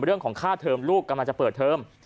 เรื่องของค่าเทอมลูกกำลังจะเปิดเทอม